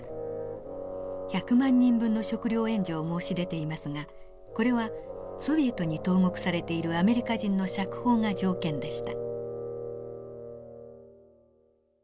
１００万人分の食糧援助を申し出ていますがこれはソビエトに投獄されているアメリカ人の釈放が条件でした。